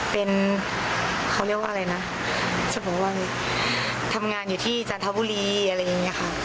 เป็นเขาเรียกว่าอะไรนะสมมุติว่าทำงานอยู่ที่จันทบุรีอะไรอย่างนี้ค่ะ